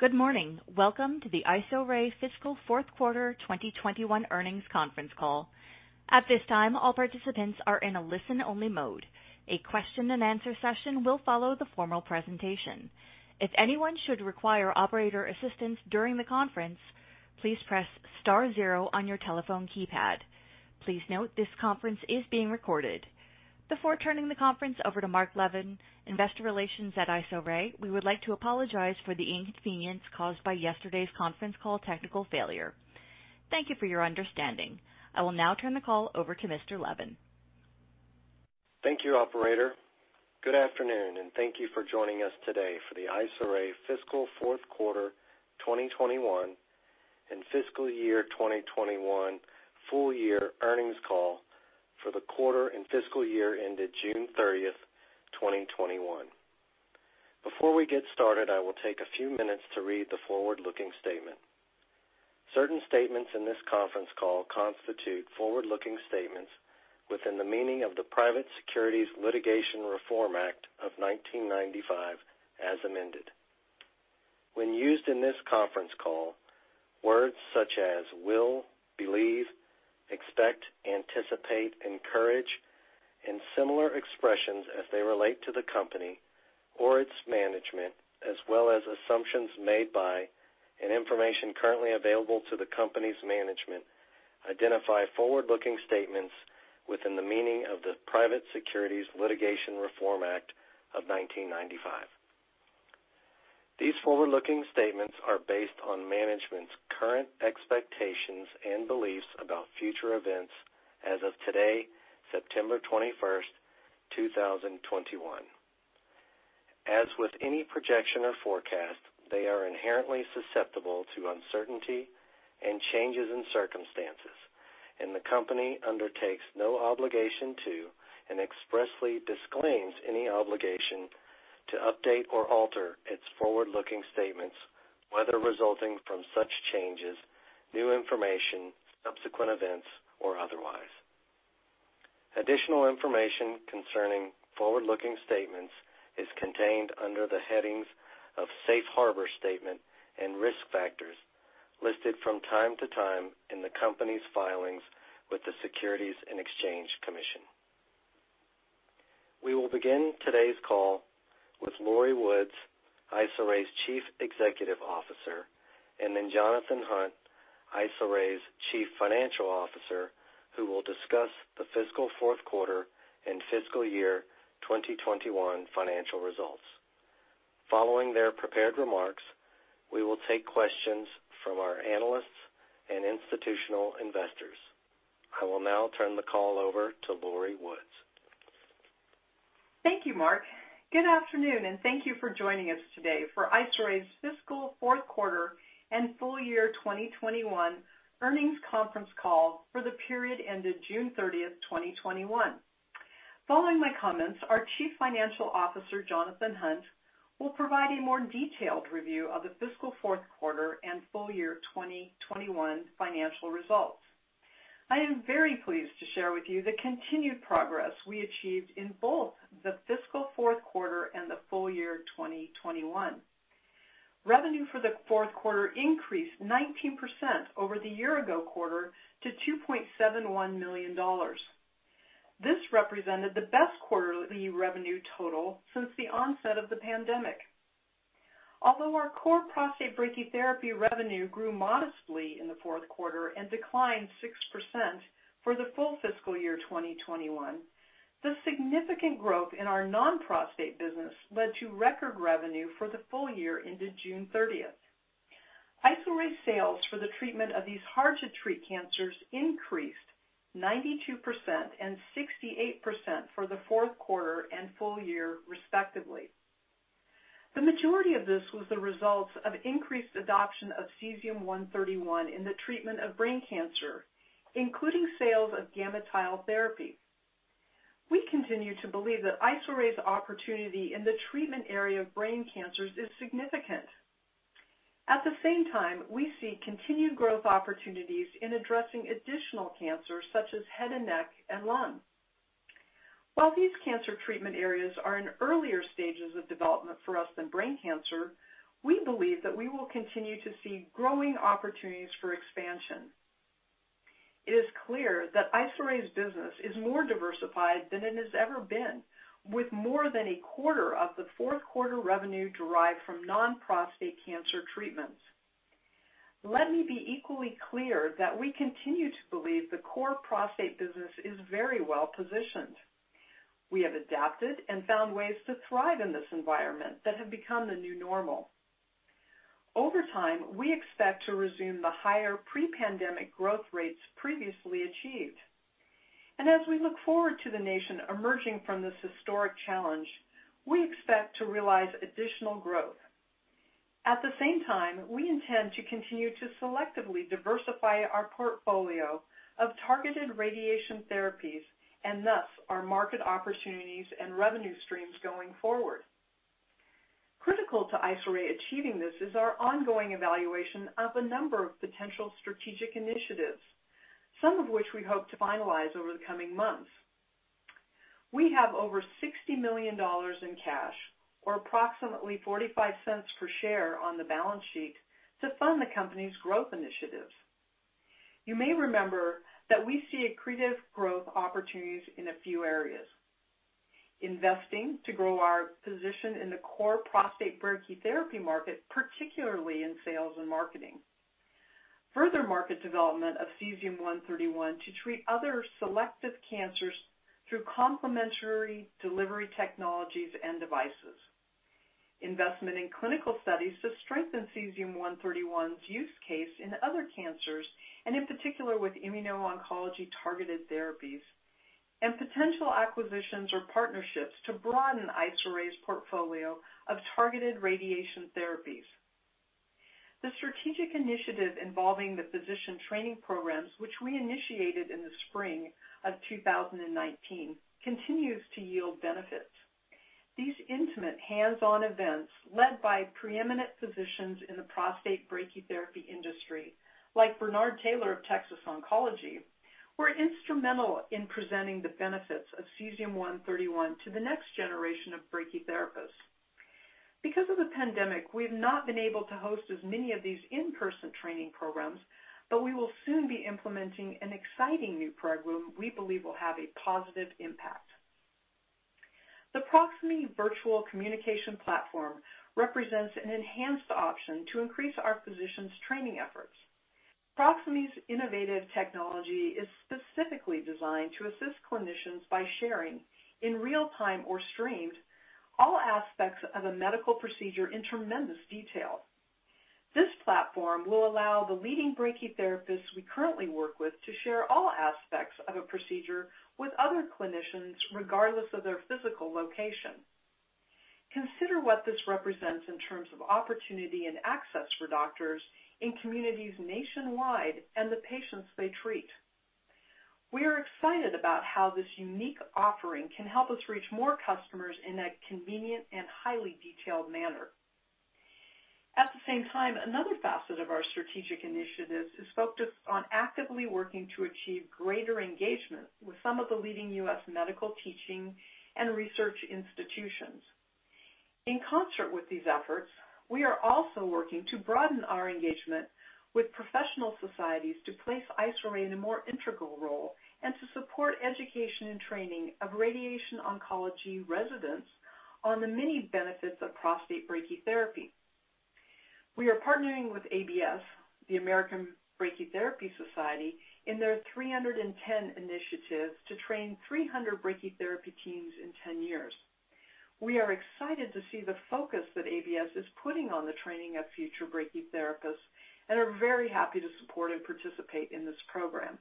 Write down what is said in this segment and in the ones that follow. Good morning. Welcome to the IsoRay fiscal fourth quarter 2021 earnings conference call. At this time, all participants are in a listen-only mode. A question and answer session will follow the formal presentation. If anyone should require operator assistance during the conference, please press star zero on your telephone keypad. Please note this conference is being recorded. Before turning the conference over to Mark Levin, Investor Relations at IsoRay, we would like to apologize for the inconvenience caused by yesterday's conference call technical failure. Thank you for your understanding. I will now turn the call over to Mr. Levin. Thank you, operator. Good afternoon, thank you for joining us today for the IsoRay fiscal fourth quarter 2021 and fiscal year 2021 full year earnings call for the quarter and fiscal year ended June 30th, 2021. Before we get started, I will take a few minutes to read the forward-looking statement. Certain statements in this conference call constitute forward-looking statements within the meaning of the Private Securities Litigation Reform Act of 1995, as amended. When used in this conference call, words such as will, believe, expect, anticipate, encourage, and similar expressions as they relate to the company or its management, as well as assumptions made by and information currently available to the company's management, identify forward-looking statements within the meaning of the Private Securities Litigation Reform Act of 1995. These forward-looking statements are based on management's current expectations and beliefs about future events as of today, September 21st, 2021. As with any projection or forecast, they are inherently susceptible to uncertainty and changes in circumstances, and the company undertakes no obligation to and expressly disclaims any obligation to update or alter its forward-looking statements, whether resulting from such changes, new information, subsequent events, or otherwise. Additional information concerning forward-looking statements is contained under the headings of Safe Harbor Statement and Risk Factors listed from time to time in the company's filings with the Securities and Exchange Commission. We will begin today's call with Lori Woods, IsoRay's Chief Executive Officer, and then Jonathan Hunt, IsoRay's Chief Financial Officer, who will discuss the fiscal fourth quarter and fiscal year 2021 financial results. Following their prepared remarks, we will take questions from our analysts and institutional investors. I will now turn the call over to Lori Woods. Thank you, Mark. Good afternoon, and thank you for joining us today for IsoRay's fiscal fourth quarter and full year 2021 earnings conference call for the period ended June 30th, 2021. Following my comments, our Chief Financial Officer, Jonathan Hunt, will provide a more detailed review of the fiscal fourth quarter and full year 2021 financial results. I am very pleased to share with you the continued progress we achieved in both the fiscal fourth quarter and the full year 2021. Revenue for the fourth quarter increased 19% over the year-ago quarter to $2.71 million. This represented the best quarterly revenue total since the onset of the pandemic. Although our core prostate brachytherapists revenue grew modestly in the fourth quarter and declined 6% for the full fiscal year 2021, the significant growth in our non-prostate business led to record revenue for the full year ended June 30th. IsoRay sales for the treatment of these hard-to-treat cancers increased 92% and 68% for the fourth quarter and full year, respectively. The majority of this was the result of increased adoption of cesium-131 in the treatment of brain cancer, including sales of GammaTile Therapy. We continue to believe that IsoRay's opportunity in the treatment area of brain cancers is significant. At the same time, we see continued growth opportunities in addressing additional cancers, such as head and neck and lung. While these cancer treatment areas are in earlier stages of development for us than brain cancer, we believe that we will continue to see growing opportunities for expansion. It is clear that IsoRay's business is more diversified than it has ever been, with more than a 1/4 of the fourth quarter revenue derived from non-prostate cancer treatments. Let me be equally clear that we continue to believe the core prostate business is very well-positioned. We have adapted and found ways to thrive in this environment that have become the new normal. Over time, we expect to resume the higher pre-pandemic growth rates previously achieved. As we look forward to the nation emerging from this historic challenge, we expect to realize additional growth. At the same time, we intend to continue to selectively diversify our portfolio of targeted radiation therapies, and thus our market opportunities and revenue streams going forward. Critical to IsoRay achieving this is our ongoing evaluation of a number of potential strategic initiatives, some of which we hope to finalize over the coming months. We have over $60 million in cash, or approximately $0.45 per share on the balance sheet to fund the company's growth initiatives. You may remember that we see accretive growth opportunities in a few areas. Investing to grow our position in the core prostate brachytherapy market, particularly in sales and marketing. Further market development of cesium-131 to treat other selective cancers through complementary delivery technologies and devices. Investment in clinical studies to strengthen cesium-131's use case in other cancers, and in particular with immuno-oncology targeted therapies. Potential acquisitions or partnerships to broaden IsoRay's portfolio of targeted radiation therapies. The strategic initiative involving the physician training programs, which we initiated in the spring of 2019, continues to yield benefits. These intimate hands-on events, led by preeminent physicians in the prostate brachytherapy industry, like Bernard Taylor of Texas Oncology, were instrumental in presenting the benefits of cesium-131 to the next generation of brachytherapy. Because of the pandemic, we've not been able to host as many of these in-person training programs, but we will soon be implementing an exciting new program we believe will have a positive impact. The Proximie virtual communication platform represents an enhanced option to increase our physicians' training efforts. Proximie's innovative technology is specifically designed to assist clinicians by sharing, in real time or streamed, all aspects of a medical procedure in tremendous detail. This platform will allow the leading brachytherapy we currently work with to share all aspects of a procedure with other clinicians, regardless of their physical location. Consider what this represents in terms of opportunity and access for doctors in communities nationwide and the patients they treat. We are excited about how this unique offering can help us reach more customers in a convenient and highly detailed manner. At the same time, another facet of our strategic initiatives is focused on actively working to achieve greater engagement with some of the leading U.S. medical teaching and research institutions. In concert with these efforts, we are also working to broaden our engagement with professional societies to place IsoRay in a more integral role and to support education and training of radiation oncology residents on the many benefits of prostate brachytherapy. We are partnering with ABS, the American Brachytherapy Society, in their 300 in 10 Initiative to train 300 brachytherapy teams in 10 years. We are excited to see the focus that ABS is putting on the training of future brachytherapy and are very happy to support and participate in this program.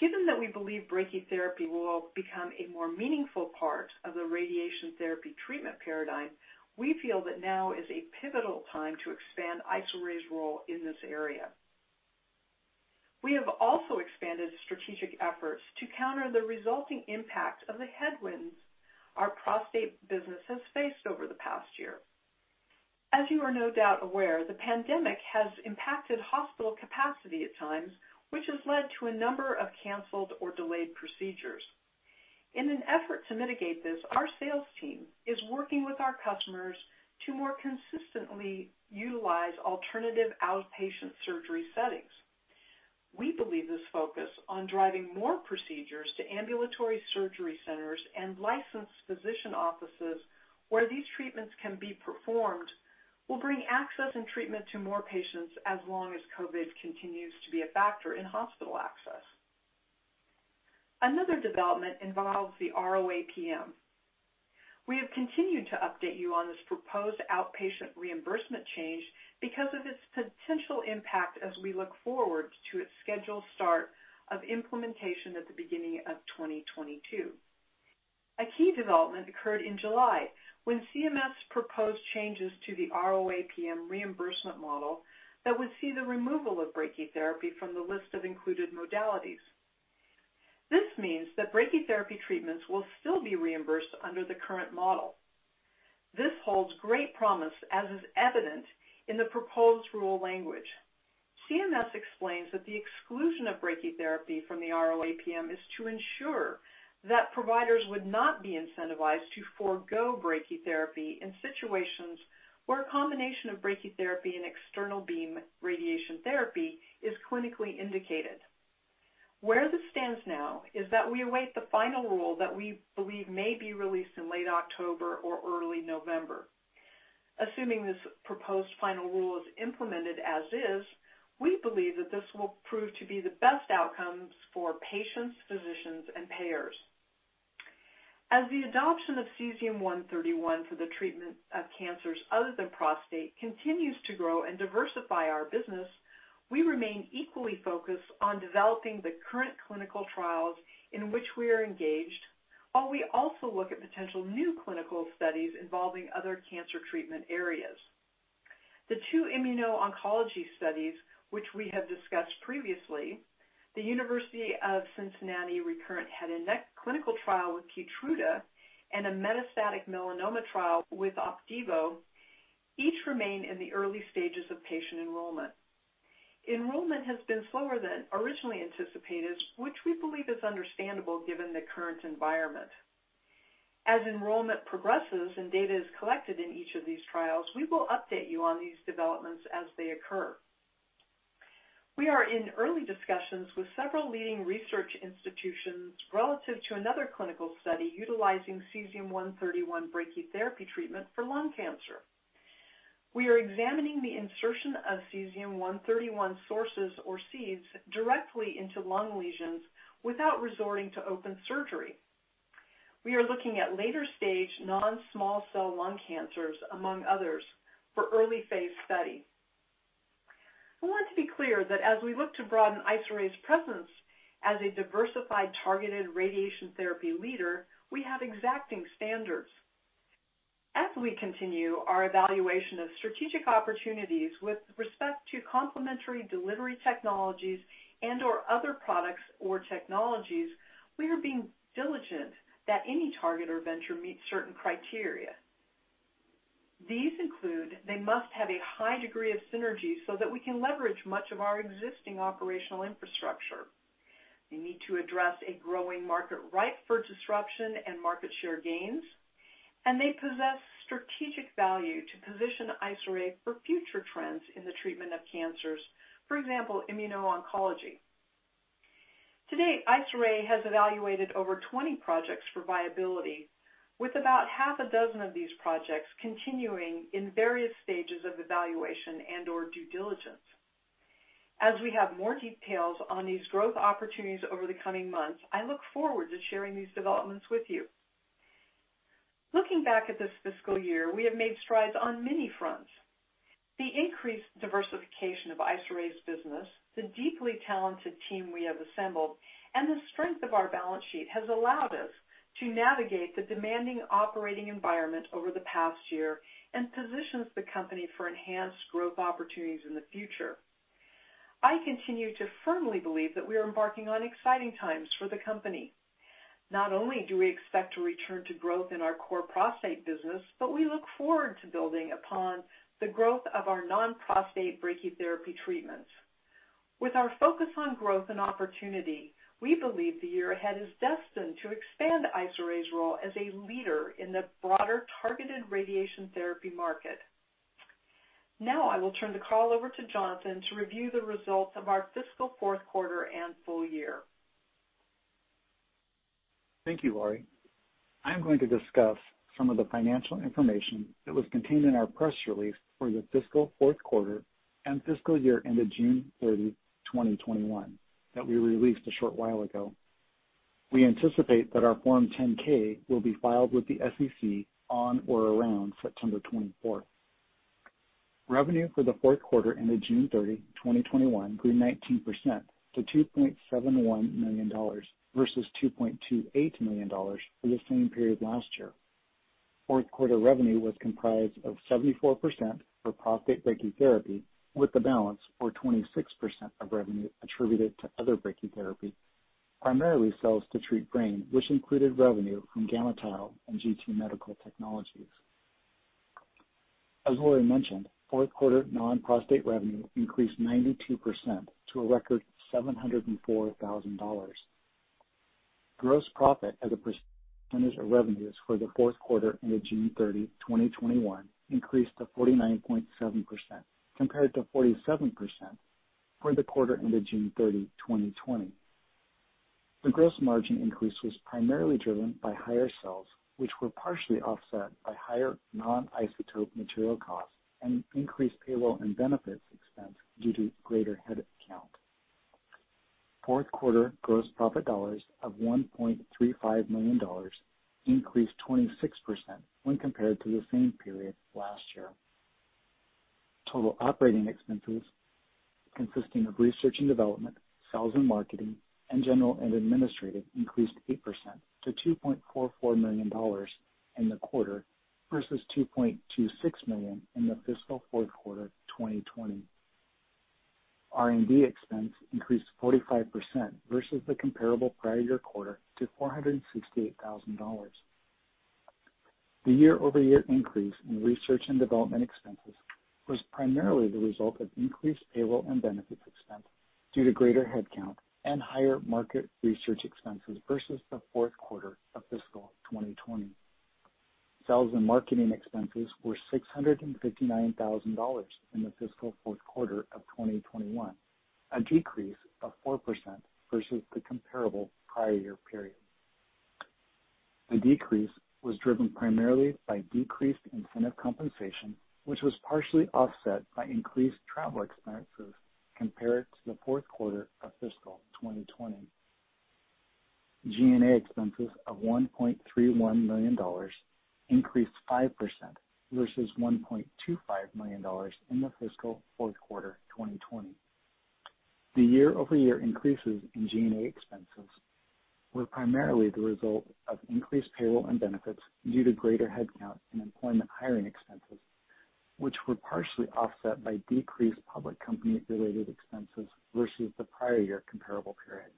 Given that we believe brachytherapy will become a more meaningful part of the radiation therapy treatment paradigm, we feel that now is a pivotal time to expand IsoRay's role in this area. We have also expanded strategic efforts to counter the resulting impact of the headwinds our prostate business has faced over the past year. As you are no doubt aware, the pandemic has impacted hospital capacity at times, which has led to a number of canceled or delayed procedures. In an effort to mitigate this, our sales team is working with our customers to more consistently utilize alternative outpatient surgery settings. We believe this focus on driving more procedures to ambulatory surgery centers and licensed physician offices where these treatments can be performed will bring access and treatment to more patients as long as COVID continues to be a factor in hospital access. Another development involves the RO APM. We have continued to update you on this proposed outpatient reimbursement change because of its potential impact as we look forward to its scheduled start of implementation at the beginning of 2022. A key development occurred in July when CMS proposed changes to the RO APM reimbursement model that would see the removal of brachytherapy from the list of included modalities. This means that brachytherapy treatments will still be reimbursed under the current model. This holds great promise, as is evident in the proposed rule language. CMS explains that the exclusion of brachytherapy from the RO APM is to ensure that providers would not be incentivized to forgo brachytherapy in situations where a combination of brachytherapy and external beam radiation therapy is clinically indicated. Where this stands now is that we await the final rule that we believe may be released in late October or early November. Assuming this proposed final rule is implemented as is, we believe that this will prove to be the best outcomes for patients, physicians, and payers. As the adoption of cesium-131 for the treatment of cancers other than prostate continues to grow and diversify our business, we remain equally focused on developing the current clinical trials in which we are engaged, while we also look at potential new clinical studies involving other cancer treatment areas. The two immuno-oncology studies, which we have discussed previously, the University of Cincinnati recurrent head and neck clinical trial with Keytruda, and a metastatic melanoma trial with OPDIVO, each remain in the early stages of patient enrollment. Enrollment has been slower than originally anticipated, which we believe is understandable given the current environment. As enrollment progresses and data is collected in each of these trials, we will update you on these developments as they occur. We are in early discussions with several leading research institutions relative to another clinical study utilizing cesium-131 brachytherapy treatment for lung cancer. We are examining the insertion of cesium-131 sources or seeds directly into lung lesions without resorting to open surgery. We are looking at later stage non-small cell lung cancers, among others, for early phase study. I want to be clear that as we look to broaden IsoRay's presence as a diversified, targeted radiation therapy leader, we have exacting standards. As we continue our evaluation of strategic opportunities with respect to complementary delivery technologies and/or other products or technologies, we are being diligent that any target or venture meets certain criteria. These include, they must have a high degree of synergy so that we can leverage much of our existing operational infrastructure. They need to address a growing market ripe for disruption and market share gains, and they possess strategic value to position IsoRay for future trends in the treatment of cancers, for example, immuno-oncology. To date, IsoRay has evaluated over 20 projects for viability with about six of these projects continuing in various stages of evaluation and/or due diligence. As we have more details on these growth opportunities over the coming months, I look forward to sharing these developments with you. Looking back at this fiscal year, we have made strides on many fronts. The increased diversification of IsoRay's business, the deeply talented team we have assembled, and the strength of our balance sheet has allowed us to navigate the demanding operating environment over the past year and positions the company for enhanced growth opportunities in the future. I continue to firmly believe that we are embarking on exciting times for the company. Not only do we expect to return to growth in our core prostate business, but we look forward to building upon the growth of our non-prostate brachytherapy treatments. With our focus on growth and opportunity, we believe the year ahead is destined to expand IsoRay's role as a leader in the broader targeted radiation therapy market. Now, I will turn the call over to Jonathan to review the results of our fiscal fourth quarter and full year. Thank you, Lori. I'm going to discuss some of the financial information that was contained in our press release for the fiscal fourth quarter and fiscal year ended June 30, 2021, that we released a short while ago. We anticipate that our Form 10-K will be filed with the SEC on or around September 24th. Revenue for the fourth quarter ended June 30, 2021, grew 19% to $2.71 million versus $2.28 million for the same period last year. Fourth quarter revenue was comprised of 74% for prostate brachytherapy, with the balance or 26% of revenue attributed to other brachytherapy, primarily sales to treat brain, which included revenue from GammaTile and GT Medical Technologies. As Lori mentioned, fourth quarter non-prostate revenue increased 92% to a record $704,000. Gross profit as a percentage of revenues for the fourth quarter ended June 30, 2021, increased to 49.7%, compared to 47% for the quarter ended June 30, 2020. The gross margin increase was primarily driven by higher sales, which were partially offset by higher non-isotope material costs and increased payroll and benefits expense due to greater head count. Fourth quarter gross profit dollars of $1.35 million increased 26% when compared to the same period last year. Total operating expenses, consisting of research and development, sales and marketing, and general and administrative, increased 8% to $2.44 million in the quarter versus $2.26 million in the fiscal fourth quarter 2020. R&D expense increased 45% versus the comparable prior year quarter to $468,000. The year-over-year increase in research and development expenses was primarily the result of increased payroll and benefits expense due to greater head count and higher market research expenses versus the fourth quarter of fiscal 2020. Sales and marketing expenses were $659,000 in the fiscal fourth quarter of 2021, a decrease of 4% versus the comparable prior year period. The decrease was driven primarily by decreased incentive compensation, which was partially offset by increased travel expenses compared to the fourth quarter of fiscal 2020. G&A expenses of $1.31 million increased 5% versus $1.25 million in the fiscal fourth quarter 2020. The year-over-year increases in G&A expenses were primarily the result of increased payroll and benefits due to greater head count and employment hiring expenses, which were partially offset by decreased public company-related expenses versus the prior year comparable period.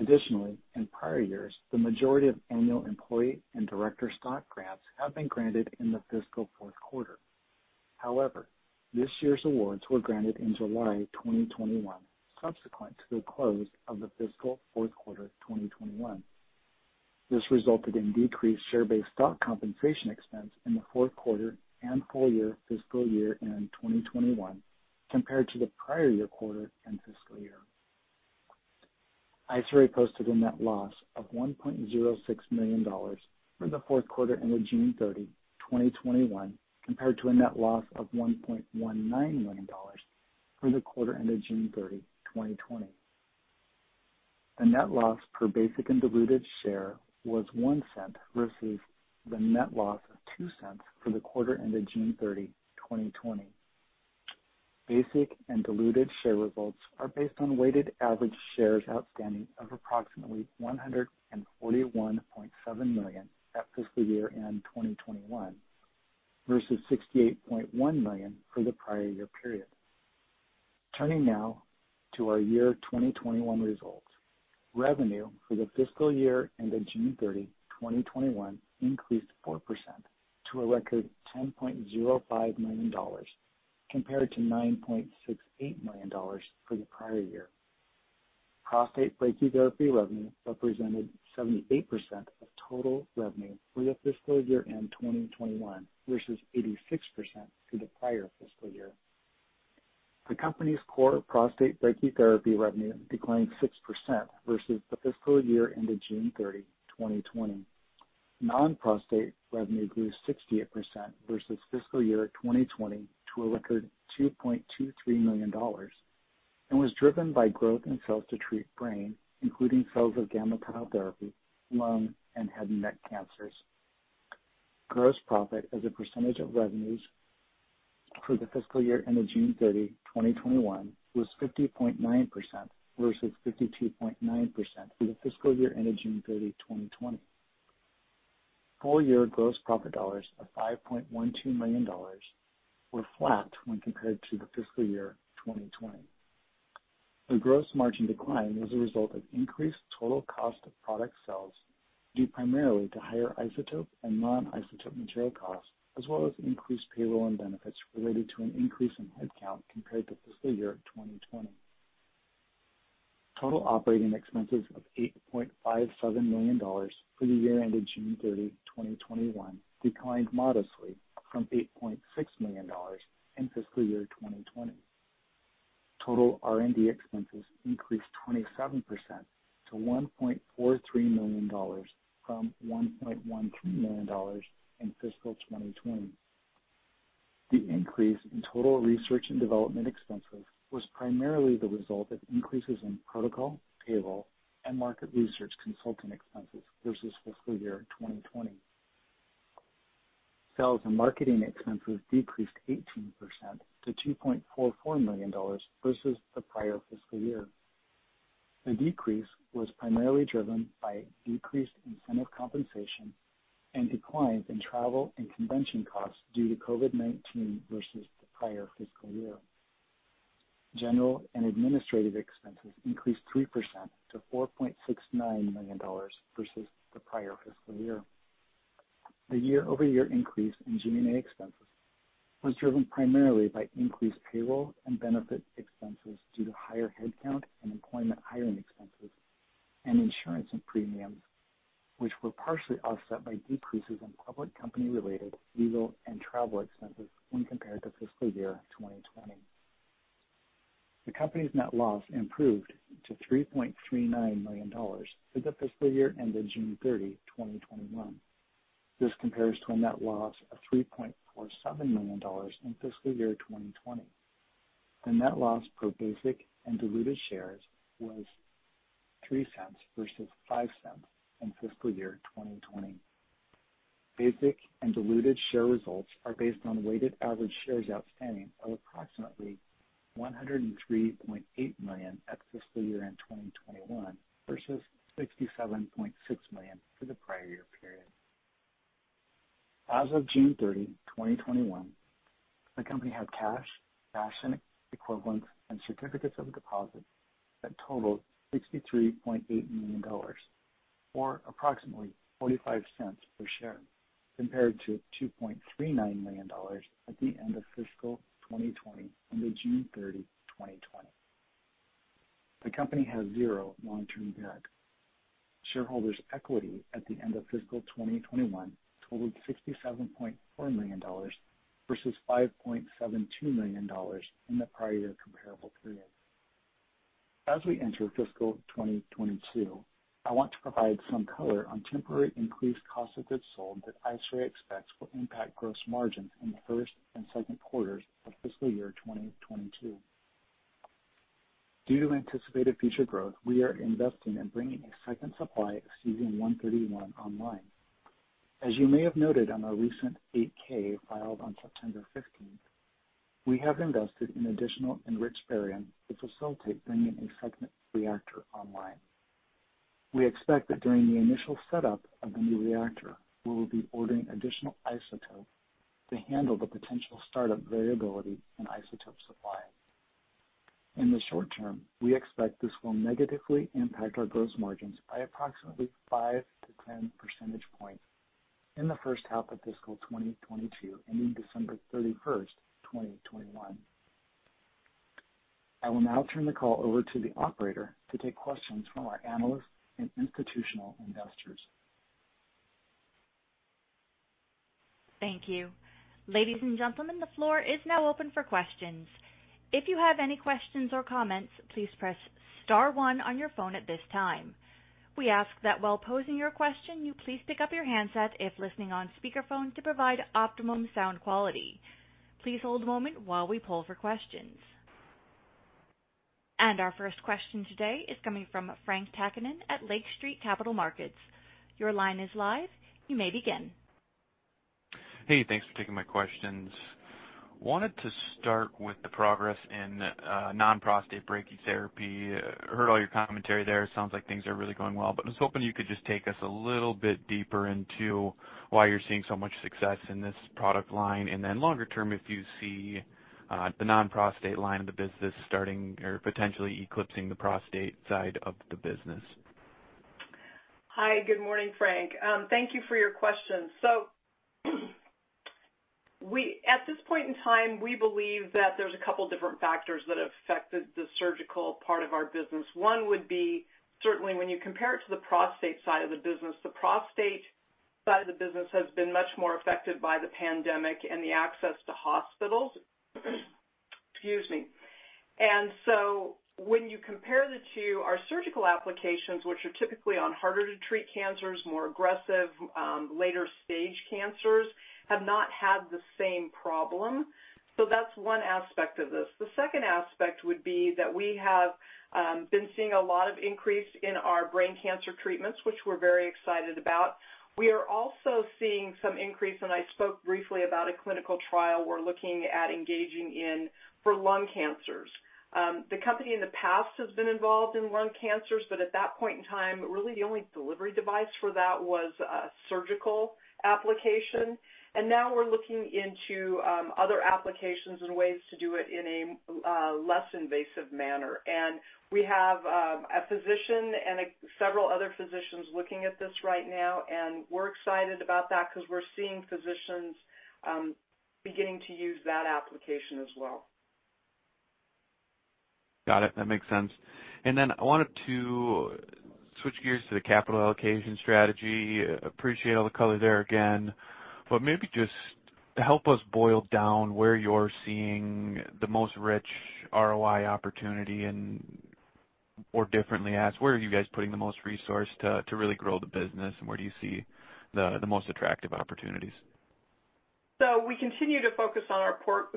Additionally, in prior years, the majority of annual employee and director stock grants have been granted in the fiscal fourth quarter. However, this year's awards were granted in July 2021, subsequent to the close of the fiscal fourth quarter 2021. This resulted in decreased share-based stock compensation expense in the fourth quarter and full year fiscal year end 2021 compared to the prior year quarter and fiscal year. IsoRay posted a net loss of $1.06 million for the fourth quarter ended June 30, 2021, compared to a net loss of $1.19 million for the quarter ended June 30, 2020. The net loss per basic and diluted share was $0.01 versus the net loss of $0.02 for the quarter ended June 30, 2020. Basic and diluted share results are based on weighted average shares outstanding of approximately 141.7 million at fiscal year end 2021 versus 68.1 million for the prior year period. Turning now to our year 2021 results. Revenue for the fiscal year ended June 30, 2021 increased 4% to a record $10.05 million compared to $9.68 million for the prior year. Prostate brachytherapy revenue represented 78% of total revenue for the fiscal year end 2021 versus 86% for the prior fiscal year. The company's core prostate brachytherapy revenue declined 6% versus the fiscal year ended June 30, 2020. Non-prostate revenue grew 68% versus fiscal year 2020 to a record $2.23 million and was driven by growth in cells to treat brain, including cells of GammaTile Therapy, lung, and head and neck cancers. Gross profit as a percentage of revenues for the fiscal year ended June 30, 2021, was 50.9% versus 52.9% for the fiscal year ended June 30, 2020. Full year gross profit dollars of $5.12 million were flat when compared to the fiscal year 2020. The gross margin decline was a result of increased total cost of product sales due primarily to higher isotope and non-isotope material costs, as well as increased payroll and benefits related to an increase in head count compared to fiscal year 2020. Total operating expenses of $8.57 million for the year ended June 30, 2021 declined modestly from $8.6 million in fiscal year 2020. Total R&D expenses increased 27% to $1.43 million from $1.13 million in fiscal 2020. The increase in total research and development expenses was primarily the result of increases in protocol, payroll, and market research consulting expenses versus fiscal year 2020. Sales and marketing expenses decreased 18% to $2.44 million versus the prior fiscal year. The decrease was primarily driven by decreased incentive compensation and declines in travel and convention costs due to COVID-19 versus the prior fiscal year. General and administrative expenses increased 3% to $4.69 million versus the prior fiscal year. The year-over-year increase in G&A expenses was driven primarily by increased payroll and benefit expenses due to higher head count and employment hiring expenses and insurance and premiums, which were partially offset by decreases in public company-related legal and travel expenses when compared to fiscal year 2020. The company's net loss improved to $3.39 million for the fiscal year ended June 30, 2021. This compares to a net loss of $3.47 million in fiscal year 2020. The net loss per basic and diluted shares was $0.03 versus $0.05 in fiscal year 2020. Basic and diluted share results are based on weighted average shares outstanding of approximately 103.8 million at fiscal year end 2021 versus 67.6 million for the prior year period. As of June 30, 2021, the company had cash equivalents, and certificates of deposit that totaled $63.8 million, or approximately $0.45 per share compared to $2.39 million at the end of fiscal 2020 ended June 30, 2020. The company has zero long-term debt. Shareholders' equity at the end of fiscal 2021 totaled $67.4 million versus $5.72 million in the prior year comparable period. As we enter fiscal 2022, I want to provide some color on temporary increased cost of goods sold that IsoRay expects will impact gross margins in the first and second quarters of fiscal year 2022. Due to anticipated future growth, we are investing in bringing a second supply of cesium-131 online. As you may have noted on our recent 8-K filed on September 15th, we have invested in additional enriched barium to facilitate bringing a second reactor online. We expect that during the initial setup of the new reactor, we will be ordering additional isotope to handle the potential startup variability in isotope supply. In the short term, we expect this will negatively impact our gross margins by approximately 5-10 percentage points in the first half of fiscal 2022, ending December 31st, 2021. I will now turn the call over to the operator to take questions from our analysts and institutional investors. Thank you. Ladies and gentlemen, the floor is now open for questions. If you have any questions or comments, please press star one on your phone at this time. We ask that while posing your question you please stick up your handset if listening on speakerphone to provide optimum sound quality. Please hold am moment while we pull for questions. Our first question today is coming from Frank Takkinen at Lake Street Capital Markets. Your line is live. You may begin. Hey, thanks for taking my questions. I wanted to start with the progress in non-prostate brachytherapy. I heard all your commentary there. Sounds like things are really going well. I was hoping you could just take us a little bit deeper into why you're seeing so much success in this product line, and then longer term, if you see the non-prostate line of the business starting or potentially eclipsing the prostate side of the business. Hi. Good morning, Frank. Thank you for your question. At this point in time, we believe that there's a couple different factors that have affected the surgical part of our business. One would be certainly when you compare it to the prostate side of the business, the prostate side of the business has been much more affected by the pandemic and the access to hospitals. Excuse me. When you compare the two, our surgical applications, which are typically on harder to treat cancers, more aggressive, later stage cancers, have not had the same problem. That's one aspect of this. The second aspect would be that we have been seeing a lot of increase in our brain cancer treatments, which we're very excited about. We are also seeing some increase, and I spoke briefly about a clinical trial we're looking at engaging in for lung cancers. The company in the past has been involved in lung cancers, but at that point in time, really the only delivery device for that was a surgical application. Now we're looking into other applications and ways to do it in a less invasive manner. We have a physician and several other physicians looking at this right now, and we're excited about that because we're seeing physicians beginning to use that application as well. Got it. That makes sense. I wanted to switch gears to the capital allocation strategy. Appreciate all the color there again, but maybe just help us boil down where you're seeing the most rich ROI opportunity, or differently asked, where are you guys putting the most resource to really grow the business, and where do you see the most attractive opportunities? We continue to focus on our core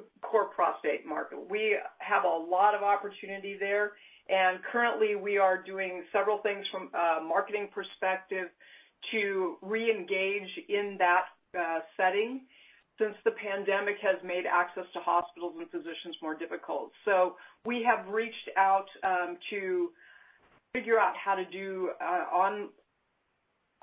prostate market. We have a lot of opportunity there, and currently we are doing several things from a marketing perspective to reengage in that setting since the pandemic has made access to hospitals and physicians more difficult. We have reached out to figure out how to do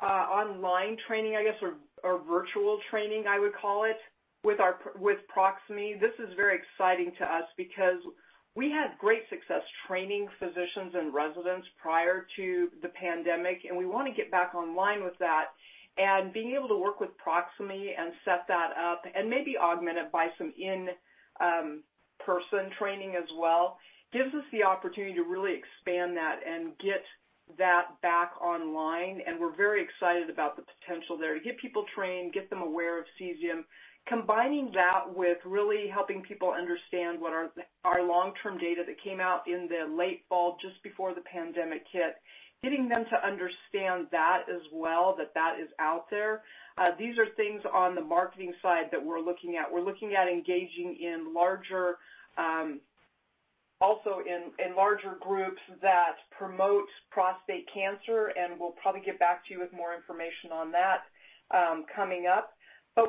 online training, I guess, or virtual training, I would call it, with Proximie. This is very exciting to us because we had great success training physicians and residents prior to the pandemic, and we want to get back online with that. Being able to work with Proximie and set that up and maybe augment it by some in-person training as well, gives us the opportunity to really expand that and get that back online. We're very excited about the potential there to get people trained, get them aware of cesium, combining that with really helping people understand what our long-term data that came out in the late fall just before the pandemic hit, getting them to understand that as well, that that is out there. These are things on the marketing side that we're looking at. We're looking at engaging also in larger groups that promote prostate cancer, and we'll probably get back to you with more information on that coming up.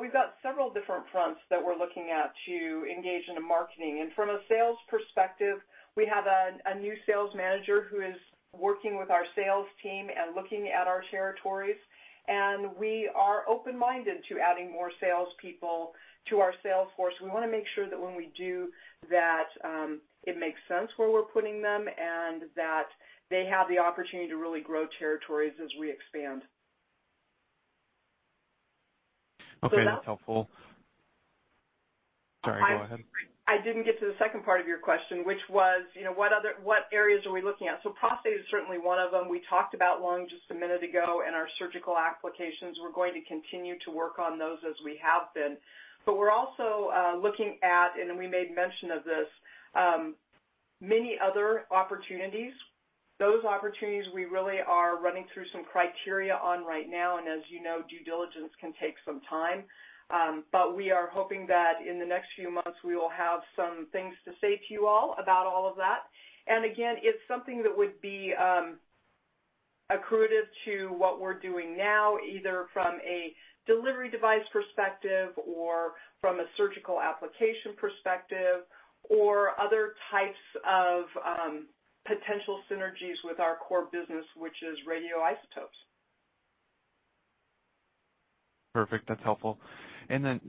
We've got several different fronts that we're looking at to engage in the marketing. From a sales perspective, we have a new sales manager who is working with our sales team and looking at our territories, and we are open-minded to adding more salespeople to our sales force. We want to make sure that when we do that it makes sense where we're putting them, and that they have the opportunity to really grow territories as we expand. Okay. That's helpful. Sorry, go ahead. I didn't get to the second part of your question, which was what areas are we looking at? Prostate is certainly one of them. We talked about lung just a minute ago and our surgical applications. We're going to continue to work on those as we have been. We're also looking at, and we made mention of this, many other opportunities. Those opportunities, we really are running through some criteria on right now, and as you know, due diligence can take some time. We are hoping that in the next few months, we will have some things to say to you all about all of that. Again, it's something that would be accretive to what we're doing now, either from a delivery device perspective or from a surgical application perspective or other types of potential synergies with our core business, which is radioisotopes. Perfect. That's helpful.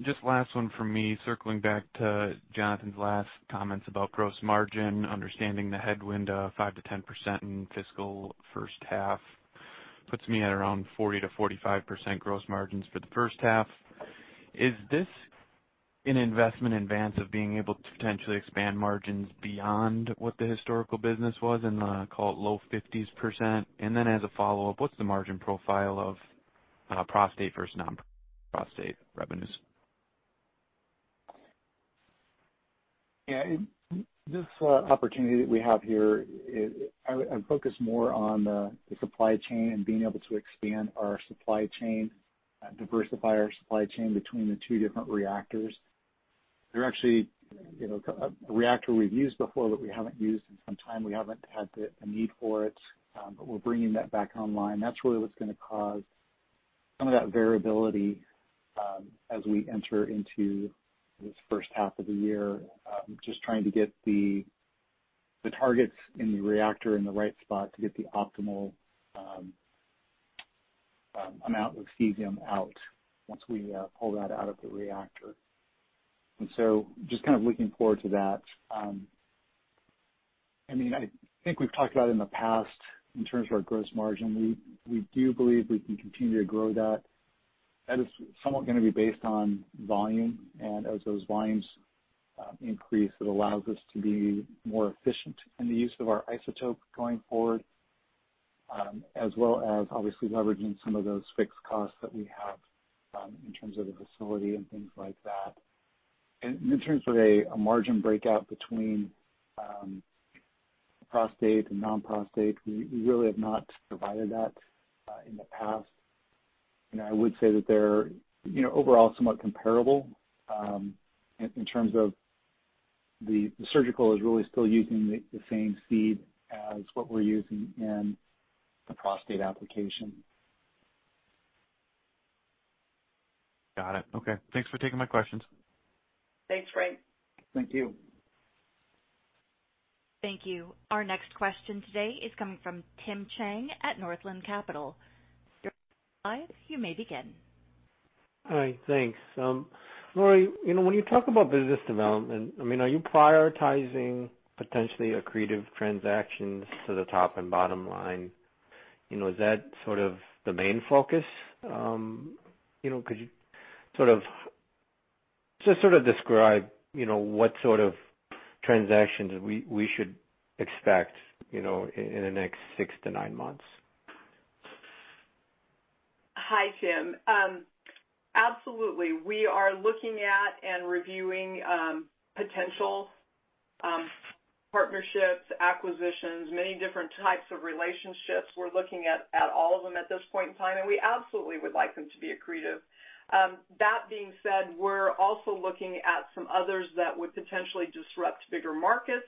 Just last one from me, circling back to Jonathan's last comments about gross margin, understanding the headwind of 5%-10% in fiscal first half puts me at around 40%-45% gross margins for the first half. Is this an investment in advance of being able to potentially expand margins beyond what the historical business was in the, call it low 50%? Then as a follow-up, what's the margin profile of prostate versus non-prostate revenues? Yeah. This opportunity that we have here is I'm focused more on the supply chain and being able to expand our supply chain, diversify our supply chain between the two different reactors. There's actually a reactor we've used before that we haven't used in some time. We haven't had the need for it. We're bringing that back online. That's really what's going to cause some of that variability as we enter into this first half of the year. Just trying to get the targets in the reactor in the right spot to get the optimal amount of cesium out once we pull that out of the reactor. Just kind of looking forward to that. I think we've talked about in the past, in terms of our gross margin, we do believe we can continue to grow that. That is somewhat going to be based on volume, and as those volumes increase, it allows us to be more efficient in the use of our isotope going forward, as well as obviously leveraging some of those fixed costs that we have in terms of the facility and things like that. In terms of a margin breakout between prostate and non-prostate, we really have not provided that in the past. I would say that they're overall somewhat comparable, in terms of the surgical is really still using the same seed as what we're using in the prostate application. Got it. Okay. Thanks for taking my questions. Thanks, Frank. Thank you. Thank you. Our next question today is coming from Tim Chiang at Northland Capital. You're live, you may begin. All right. Thanks. Lori, when you talk about business development, are you prioritizing potentially accretive transactions to the top and bottom line? Is that sort of the main focus? Could you just sort of describe what sort of transactions we should expect in the next six to nine months? Hi, Tim. Absolutely. We are looking at and reviewing potential partnerships, acquisitions, many different types of relationships. We're looking at all of them at this point in time, and we absolutely would like them to be accretive. That being said, we're also looking at some others that would potentially disrupt bigger markets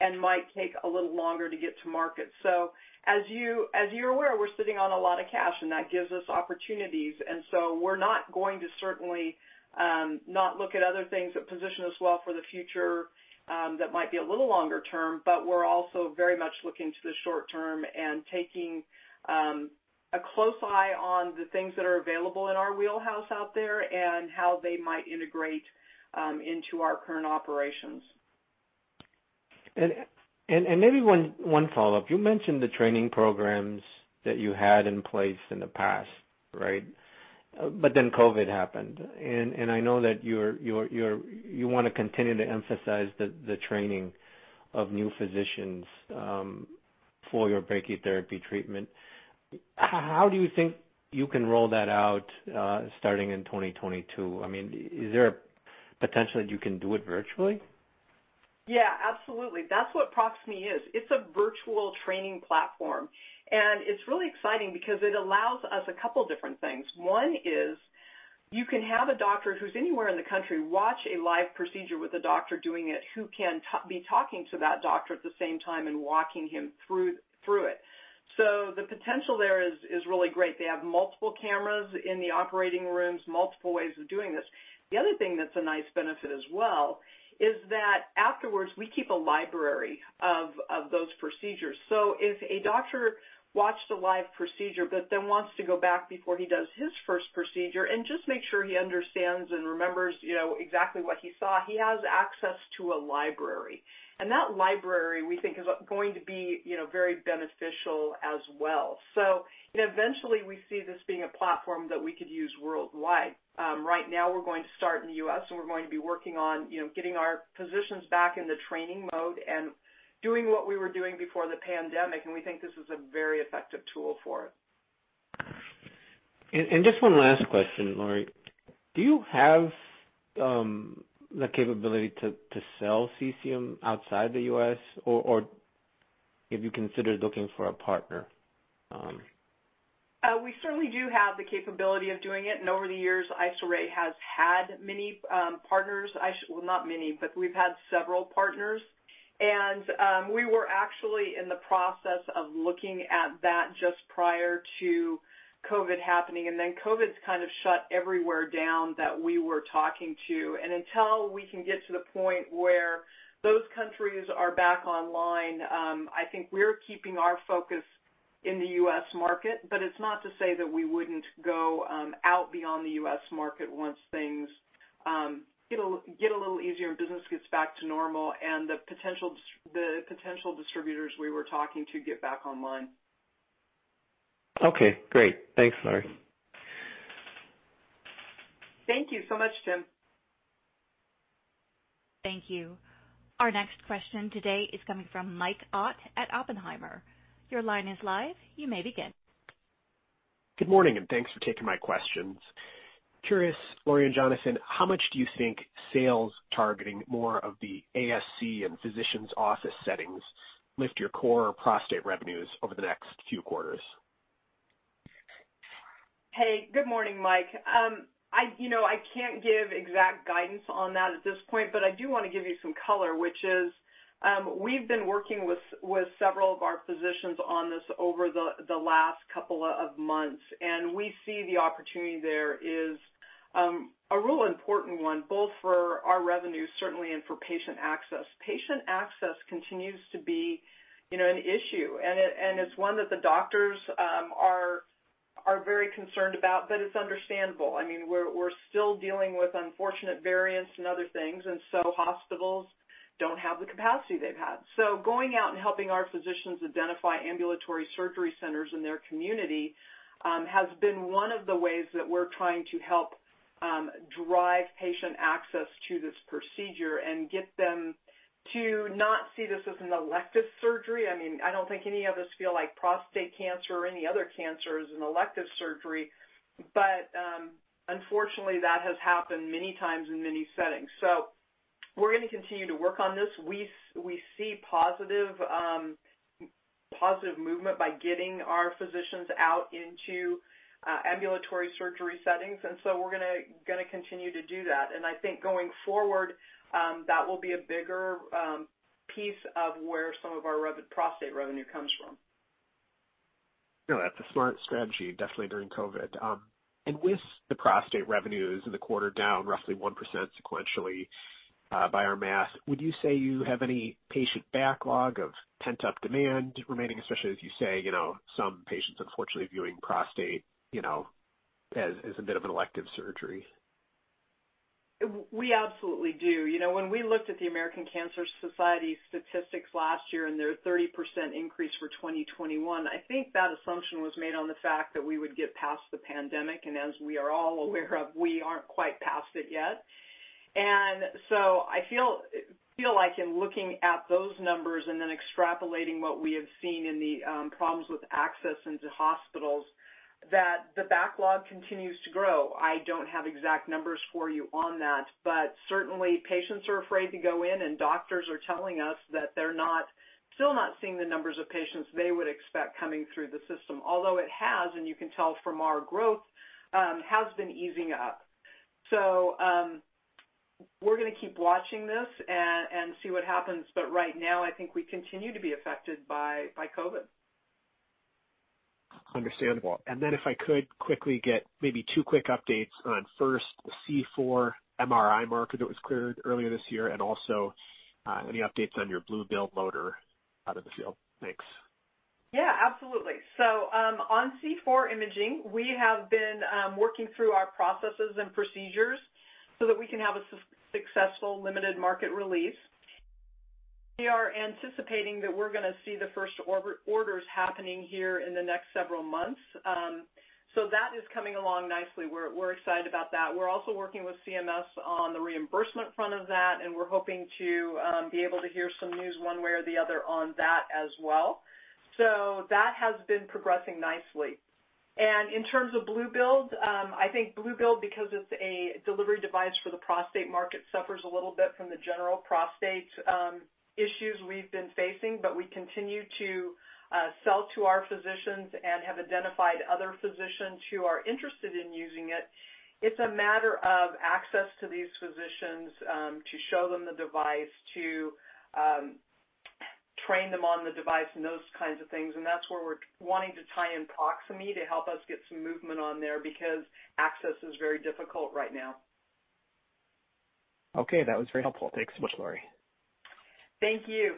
and might take a little longer to get to market. As you're aware, we're sitting on a lot of cash, and that gives us opportunities, and so we're not going to certainly not look at other things that position us well for the future that might be a little longer term, but we're also very much looking to the short term and taking a close eye on the things that are available in our wheelhouse out there and how they might integrate into our current operations. Maybe one follow-up. You mentioned the training programs that you had in place in the past, right? COVID happened, and I know that you want to continue to emphasize the training of new physicians for your brachytherapy treatment. How do you think you can roll that out starting in 2022? Is there a potential that you can do it virtually? Yeah, absolutely. That is what Proximie is. It is a virtual training platform. It is really exciting because it allows us a couple different things. One is you can have a doctor who is anywhere in the country watch a live procedure with a doctor doing it, who can be talking to that doctor at the same time and walking him through it. The potential there is really great. They have multiple cameras in the operating rooms, multiple ways of doing this. The other thing that is a nice benefit as well is that afterwards, we keep a library of those procedures. If a doctor watched a live procedure, but then wants to go back before he does his first procedure and just make sure he understands and remembers exactly what he saw, he has access to a library. That library, we think, is going to be very beneficial as well. Eventually we see this being a platform that we could use worldwide. Right now we're going to start in the U.S., and we're going to be working on getting our physicians back into training mode and doing what we were doing before the pandemic, and we think this is a very effective tool for it. Just one last question, Lori. Do you have the capability to sell cesium outside the U.S., or have you considered looking for a partner? We certainly do have the capability of doing it, and over the years, IsoRay has had many partners. Well, not many, but we've had several partners. We were actually in the process of looking at that just prior to COVID happening, and then COVID's kind of shut everywhere down that we were talking to. Until we can get to the point where those countries are back online, I think we're keeping our focus in the U.S. market, but it's not to say that we wouldn't go out beyond the U.S. market once things get a little easier and business gets back to normal and the potential distributors we were talking to get back online. Okay, great. Thanks, Lori. Thank you so much, Tim. Thank you. Our next question today is coming from Mike Ott at Oppenheimer. Your line is live. You may begin. Good morning. Thanks for taking my questions. Curious, Lori and Jonathan, how much do you think sales targeting more of the ASC and physician's office settings lift your core prostate revenues over the next few quarters? Hey, good morning, Mike. I can't give exact guidance on that at this point, but I do want to give you some color, which is we've been working with several of our physicians on this over the last couple of months. We see the opportunity there is a real important one, both for our revenues, certainly, and for patient access. Patient access continues to be an issue. It's one that the doctors are very concerned about, but it's understandable. We're still dealing with unfortunate variants and other things. Hospitals don't have the capacity they've had. Going out and helping our physicians identify ambulatory surgery centers in their community has been one of the ways that we're trying to help drive patient access to this procedure and get them to not see this as an elective surgery. I don't think any of us feel like prostate cancer or any other cancer is an elective surgery, but unfortunately, that has happened many times in many settings. We're going to continue to work on this. We see positive movement by getting our physicians out into ambulatory surgery settings, and so we're going to continue to do that, and I think going forward, that will be a bigger piece of where some of our prostate revenue comes from. That's a smart strategy, definitely during COVID. With the prostate revenues in the quarter down roughly 1% sequentially by our math, would you say you have any patient backlog of pent-up demand remaining, especially as you say, some patients unfortunately viewing prostate as a bit of an elective surgery? We absolutely do. When we looked at the American Cancer Society statistics last year and their 30% increase for 2021, I think that assumption was made on the fact that we would get past the pandemic, and as we are all aware of, we aren't quite past it yet. I feel like in looking at those numbers and then extrapolating what we have seen in the problems with access into hospitals, that the backlog continues to grow. I don't have exact numbers for you on that, but certainly patients are afraid to go in, and doctors are telling us that they're still not seeing the numbers of patients they would expect coming through the system. Although it has, and you can tell from our growth, has been easing up. We're going to keep watching this and see what happens, but right now, I think we continue to be affected by COVID. Understandable. Then if I could quickly get maybe two quick updates on first, the C4 MRI marker that was cleared earlier this year, and also any updates on your Blue Build loader out in the field? Thanks. Yeah, absolutely. On C4 Imaging, we have been working through our processes and procedures so that we can have a successful limited market release. We are anticipating that we're going to see the first orders happening here in the next several months. That is coming along nicely. We're excited about that. We're also working with CMS on the reimbursement front of that, and we're hoping to be able to hear some news one way or the other on that as well. That has been progressing nicely. And in terms of Blue Build, I think Blue Build, because it's a delivery device for the prostate market, suffers a little bit from the general prostate issues we've been facing, but we continue to sell to our physicians and have identified other physicians who are interested in using it. It's a matter of access to these physicians to show them the device, to train them on the device and those kinds of things. That's where we're wanting to tie in Proximie to help us get some movement on there because access is very difficult right now. Okay, that was very helpful. Thanks so much, Lori. Thank you.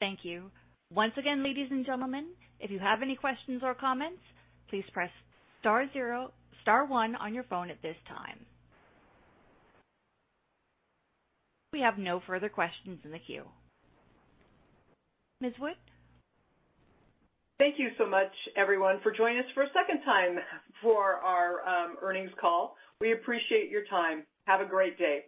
Thank you. Once again, ladies and gentlemen, if you have any questions or comments, please press star one on your phone at this time. We have no further questions in the queue. Ms. Woods? Thank you so much, everyone, for joining us for a second time for our earnings call. We appreciate your time. Have a great day.